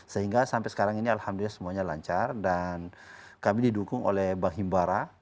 sehingga sampai sekarang ini alhamdulillah semuanya lancar dan kami didukung oleh bang himbara